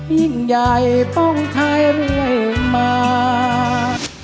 ยิ่งใหญ่ป้องไทยเรื่อยมา